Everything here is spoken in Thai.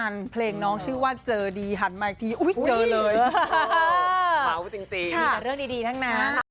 เรื่องดีทั้งนั้น